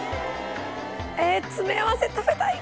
詰め合わせ食べたい！